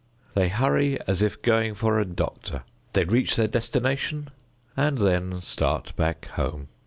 They hurry as if going for a doctor. They reach their destination and then start back home.